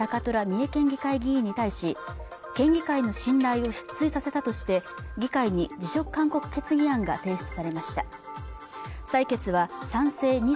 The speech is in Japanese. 三重県議会議員に対し県議会の信頼を失墜させたとして議会に辞職勧告決議案が提出されました採決は賛成